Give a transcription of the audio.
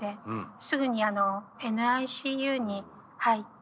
すぐにＮＩＣＵに入って。